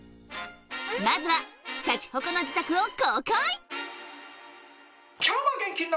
まずはシャチホコの自宅を公開